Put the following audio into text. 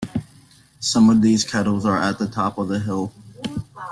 Some of these kettles are at the top of the hill.